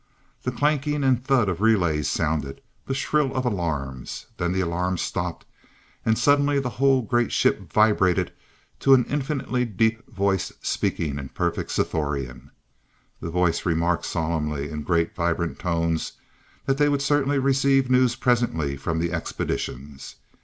The clanking and thud of relays sounded, the shrill of alarms. Then the alarms stopped, and suddenly the whole great ship vibrated to an infinitely deep voice speaking in perfect Sthorian. The voice remarked solemnly, in great, vibrant tones, that they would certainly receive news presently from the Expeditions.